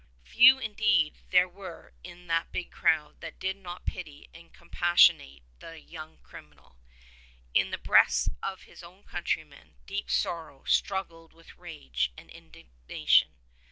Few indeed there were in that big crowd that did not pity and compassionate the young criminal. In the breasts of his own countrymen, deep sorrow struggled with rage 53 and indignation.